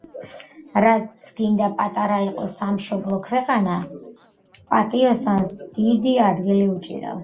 „რაც გინდა პატარა იყოს სამშობლო ქვეყანა, – პატიოსანს გულში დიდი ადგილი უჭირავს.“